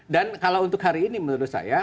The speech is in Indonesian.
kalau untuk hari ini menurut saya